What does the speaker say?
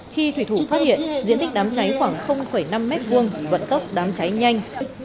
khi thủy thủ phát hiện diện tích đám cháy khoảng năm m hai vận tốc đám cháy nhanh